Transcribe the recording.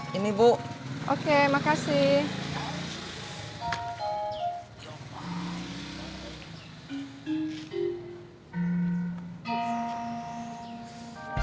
nanti kalau manjur kasih tahu saya